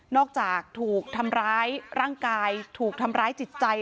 อกจากถูกทำร้ายร่างกายถูกทำร้ายจิตใจ